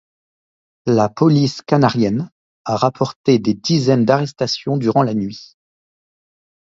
La police canarienne a rapporté des dizaines d'arrestations durant la nuit.